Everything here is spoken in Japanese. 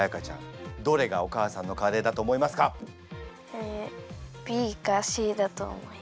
えＢかＣだと思います。